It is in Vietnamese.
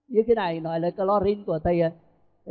như thế này nói là calo rin của tây ạ